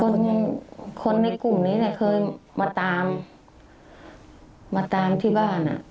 คนคนในกลุ่มนี้เนี่ยเคยมาตามมาตามที่บ้านอ่ะ